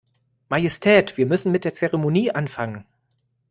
Majestät, wir müssen mit der Zeremonie anfangen.